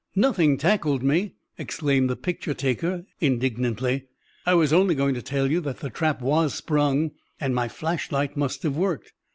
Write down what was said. "Nothing tackled me!" exclaimed the picture taker indignantly. "I was only going to tell you that the trap was sprung and my flashlight must have worked."